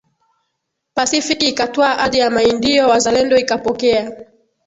Pasifiki ikatwaa ardhi ya Maindio wazalendo ikapokea